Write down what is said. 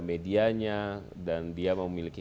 medianya dan dia memiliki